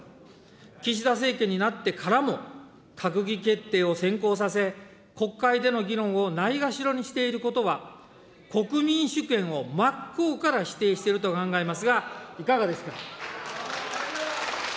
岸田政権になってからも、閣議決定を先行させ、国会での議論をないがしろにしていることは、国民主権を真っ向から否定していると考えますが、いかがですか。